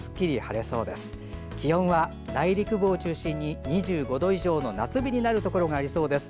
日中は内陸部を中心に２５度以上の夏日になるところがありそうです。